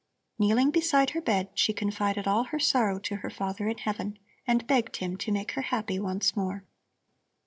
Kneeling beside her bed, she confided all her sorrow to her Father in Heaven, and begged Him to make her happy once more.